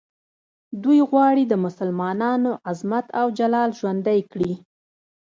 دوی غواړي د مسلمانانو عظمت او جلال ژوندی کړي.